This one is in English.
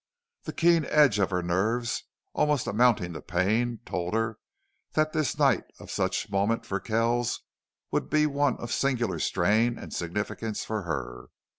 The keen edge of her nerves, almost amounting to pain, told her that this night of such moment for Kells would be one of singular strain and significance for her.